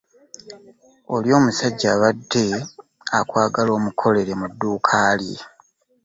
Oli omusajja abadde akwagala omukolere mu dduuka lye.